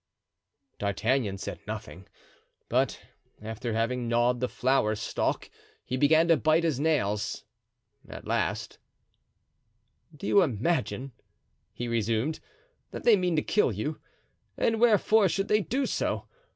D'Artagnan said nothing, but, after having gnawed the flower stalk, he began to bite his nails. At last: "Do you imagine," he resumed, "that they mean to kill you? And wherefore should they do so?